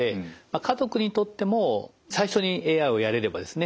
家族にとっても最初にＡＩをやれればですね